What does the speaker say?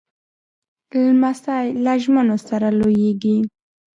لمسی له ژمنو سره لویېږي.